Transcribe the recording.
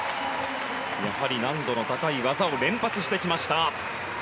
やはり難度の高い技を連発してきました。